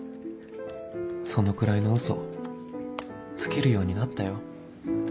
そのくらいのウソつけるようになったよ